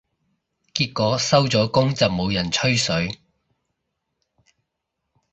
結果收咗工就冇人吹水